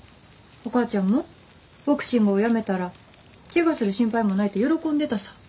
お母ちゃんもボクシングをやめたらケガする心配もないって喜んでたさぁ。